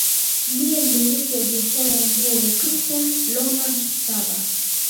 ndiye mmiliki wa biashara ya nguo ya cristian ronald saba